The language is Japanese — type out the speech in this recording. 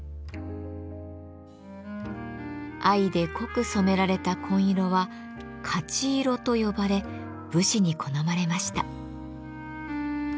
藍で濃く染められた紺色は「勝色」と呼ばれ武士に好まれました。